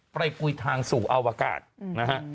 ไปคุยทางสู่อวกาศนะฮะ